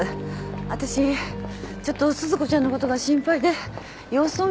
私ちょっと鈴子ちゃんのことが心配で様子を見に行ってから。